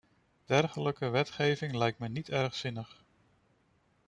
Dergelijke wetgeving lijkt me niet erg zinnig.